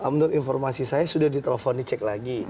menurut informasi saya sudah di telepon di cek lagi